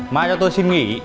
mai cho tôi xin nghỉ